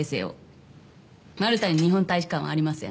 マルタに日本大使館はありません。